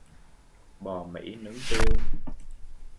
bò mĩ nướng tiêu